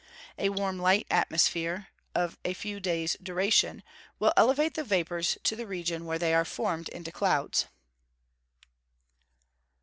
A warm light atmosphere, of a few day's duration, will elevate the vapours to the region where they are formed into clouds.